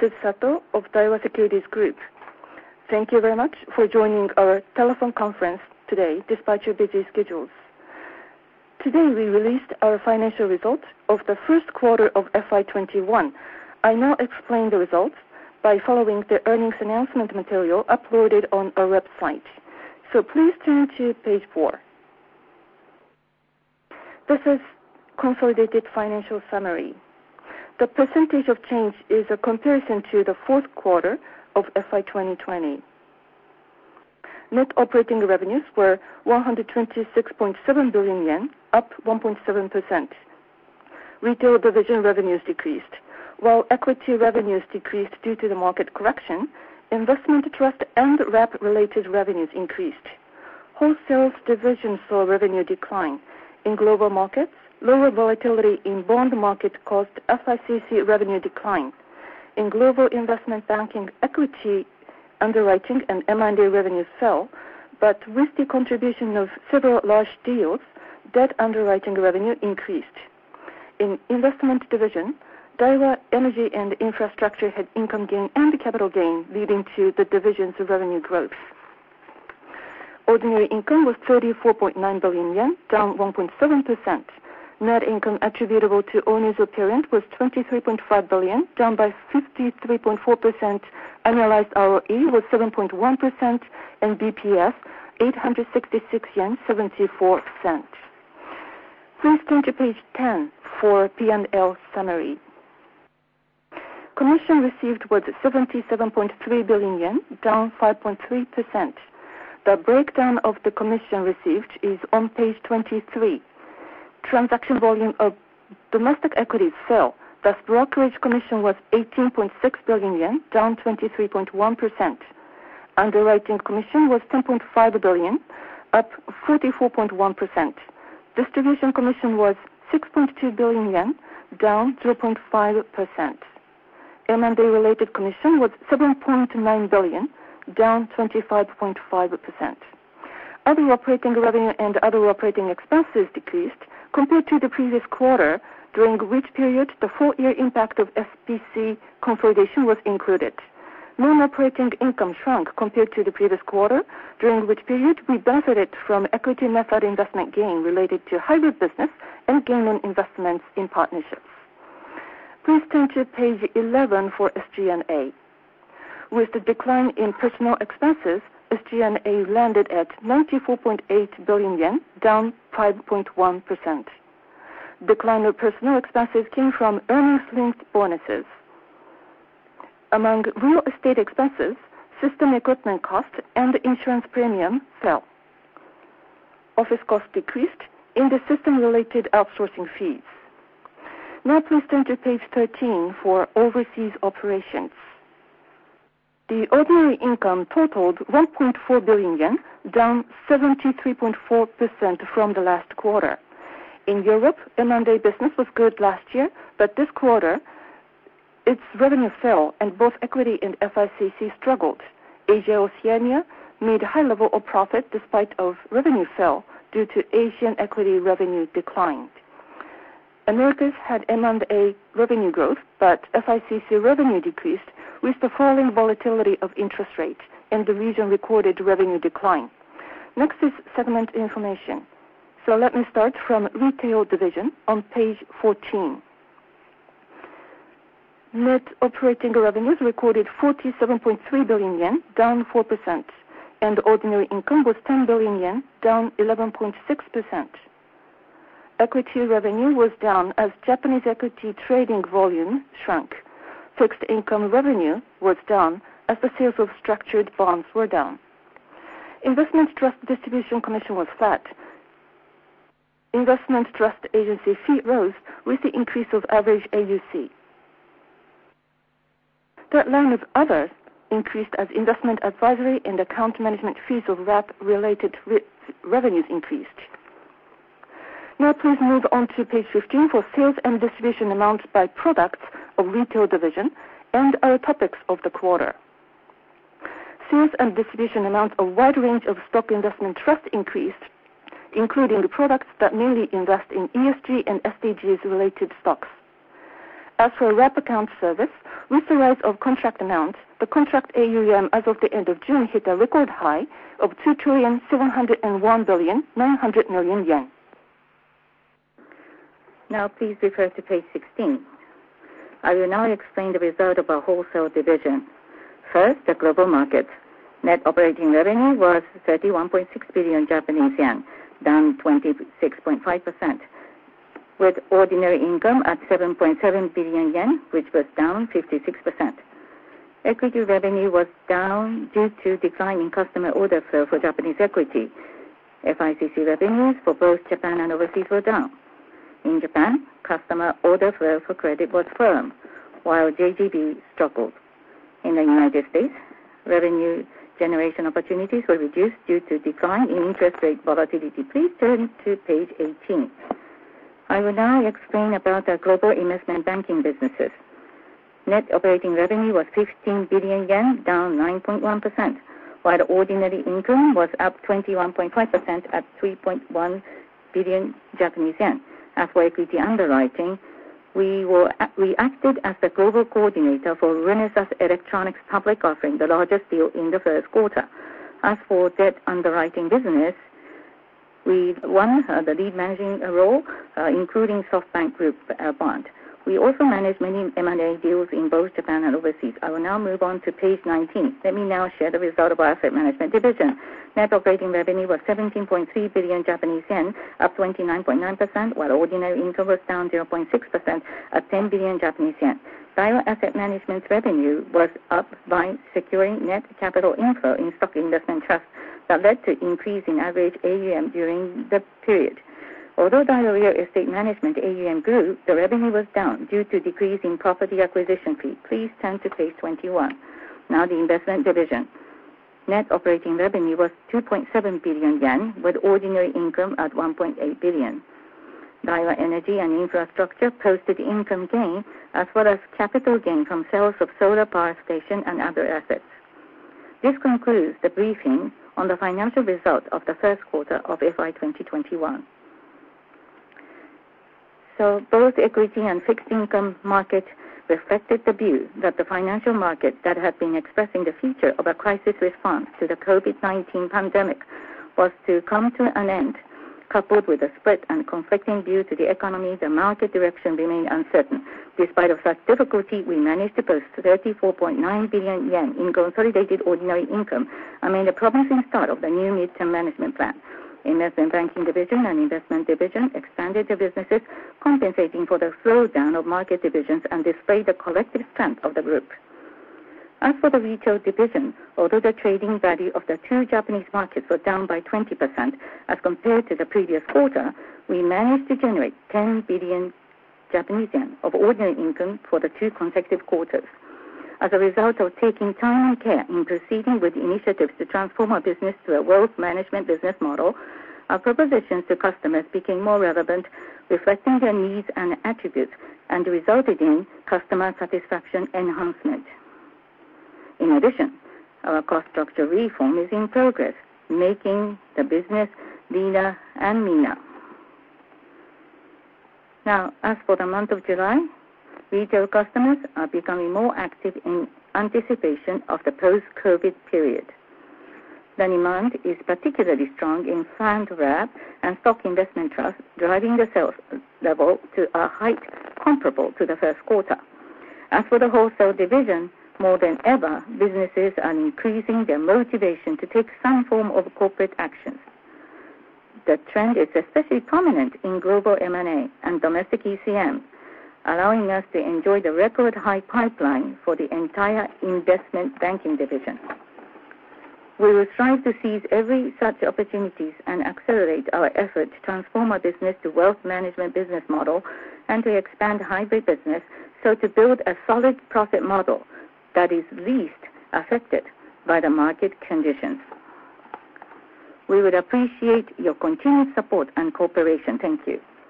This is Sato of Daiwa Securities Group. Thank you very much for joining our telephone conference today despite your busy schedules. Today, we released our financial results of the first quarter of FY 2021. I now explain the results by following the earnings announcement material uploaded on our website. Please turn to page four. This is consolidated financial summary. The percentage of change is a comparison to the fourth quarter of FY 2020. Net operating revenues were 126.7 billion yen, up 1.7%. Retail division revenues decreased, while equity revenues decreased due to the market correction, investment trust, and wrap-related revenues increased. Wholesale division saw revenue decline. In global markets, lower volatility in bond market caused FICC revenue decline. In global investment banking, equity underwriting and M&A revenues fell, but with the contribution of several large deals, debt underwriting revenue increased. In Investment Division, Daiwa Energy and Infrastructure had income gain and capital gain, leading to the division's revenue growth. Ordinary income was 34.9 billion yen, down 1.7%. Net income attributable to owners of parent was 23.5 billion, down by 53.4%. Annualized ROE was 7.1%, and BPS, 866.74 yen. Please turn to page 10 for P&L summary. Commission received was 77.3 billion yen, down 5.3%. The breakdown of the commission received is on page 23. Transaction volume of domestic equities fell, thus brokerage commission was 18.6 billion yen, down 23.1%. Underwriting commission was 10.5 billion, up 44.1%. Distribution commission was 6.2 billion yen, down 3.5%. M&A related commission was 7.9 billion, down 25.5%. Other operating revenue and other operating expenses decreased compared to the previous quarter, during which period, the full year impact of SBC consolidation was included. Non-operating income shrunk compared to the previous quarter, during which period we benefited from equity method investment gain related to hybrid business and gain on investments in partnerships. Please turn to page 11 for SG&A. With the decline in personnel expenses, SG&A landed at 94.8 billion yen, down 5.1%. Decline of personnel expenses came from earnings-linked bonuses. Among real estate expenses, system equipment cost, and insurance premium fell. Office costs decreased in the system-related outsourcing fees. Now, please turn to page 13 for overseas operations. The ordinary income totaled 1.4 billion yen, down 73.4% from the last quarter. In Europe, M&A business was good last year, but this quarter, its revenue fell and both equity and FICC struggled. Asia/Oceania made a high level of profit despite a revenue fall due to Asian equity revenue decline. Americas had M&A revenue growth, but FICC revenue decreased with the falling volatility of interest rates, and the region recorded revenue decline. Next is segment information. Let me start from Retail Division on page 14. Net operating revenues recorded 47.3 billion yen, down 4%, and ordinary income was 10 billion yen, down 11.6%. Equity Revenue was down as Japanese equity trading volume shrunk. Fixed Income Revenue was down as the sales of structured bonds were down. Investment Trust Distribution Commission was flat. Investment Trust Agency Fee rose with the increase of average AUC. Third Line of Other increased as investment advisory and account management fees of wrap-related revenues increased. Please move on to page 15 for sales and distribution amounts by products of Retail Division and other topics of the quarter. Sales and distribution amounts of wide range of stock investment trust increased, including products that mainly invest in ESG and SDGs related stocks. As for wrap account service, with the rise of contract amounts, the contract AUM as of the end of June hit a record high of 2,701.9 billion. Now please refer to page 16. I will now explain the result of our wholesale division. First, the global market. Net operating revenue was 31.6 billion Japanese yen, down 26.5%, with ordinary income at 7.7 billion yen, which was down 56%. Equity revenue was down due to decline in customer order flow for Japanese equity. FICC revenues for both Japan and overseas were down. In Japan, customer orders flow for credit was firm, while JGB struggled. In the U.S., revenue generation opportunities were reduced due to decline in interest rate volatility. Please turn to page 18. I will now explain about our global investment banking businesses. Net operating revenue was 15 billion yen, down 9.1%. The ordinary income was up 21.5% at 3.1 billion Japanese yen. As for equity underwriting, we acted as the global coordinator for Renesas Electronics public offering, the largest deal in the first quarter. As for debt underwriting business, we won the lead managing role, including SoftBank Group Bond. We also managed many M&A deals in both Japan and overseas. I will now move on to page 19. Let me now share the result of our asset management division. Net operating revenue was 17.3 billion Japanese yen, up 29.9%, while ordinary income was down 0.6% at 10 billion Japanese yen. Daiwa Asset Management's revenue was up by securing net capital inflow in stock investment trust that led to increase in average AUM during the period. Although Daiwa Real Estate Asset Management AUM grew, the revenue was down due to decrease in property acquisition fee. Please turn to page 21. Now the investment division. Net operating revenue was 2.7 billion yen, with ordinary income at 1.8 billion. Daiwa Energy & Infrastructure posted income gain as well as capital gain from sales of solar power station and other assets. This concludes the briefing on the financial results of the first quarter of FY 2021. Both equity and fixed income market reflected the view that the financial market that had been expressing the future of a crisis response to the COVID-19 pandemic was to come to an end. Coupled with a split and conflicting view to the economy, the market direction remained uncertain. Despite of such difficulty, we managed to post 34.9 billion yen in consolidated ordinary income, amid a promising start of the new midterm management plan. Investment banking division and investment division expanded their businesses, compensating for the slowdown of market divisions and displayed the collective strength of the group. As for the retail division, although the trading value of the two Japanese markets was down by 20% as compared to the previous quarter, we managed to generate 10 billion Japanese yen of ordinary income for the two consecutive quarters. As a result of taking time and care in proceeding with initiatives to transform our business to a wealth management business model, our propositions to customers became more relevant, reflecting their needs and attributes, and resulted in customer satisfaction enhancement. In addition, our cost structure reform is in progress, making the business leaner and meaner. Now, as for the month of July, retail customers are becoming more active in anticipation of the post-COVID period. The demand is particularly strong in fund wrap and stock investment trust, driving the sales level to a height comparable to the first quarter. As for the wholesale division, more than ever, businesses are increasing their motivation to take some form of corporate actions. The trend is especially prominent in global M&A and domestic ECM, allowing us to enjoy the record high pipeline for the entire investment banking division. We will strive to seize every such opportunities and accelerate our effort to transform our business to wealth management business model and to expand hybrid business so to build a solid profit model that is least affected by the market conditions. We would appreciate your continued support and cooperation. Thank you.